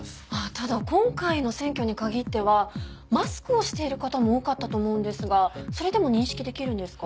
ただ今回の選挙に限ってはマスクをしている方も多かったと思うんですがそれでも認識できるんですか？